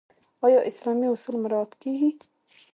آیا اسلامي اصول مراعات کیږي؟